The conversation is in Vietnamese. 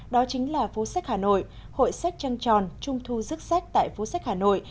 đó chính là phố sách hà nội hội sách trăng tròn trung thu rức sách tại phố sách hà nội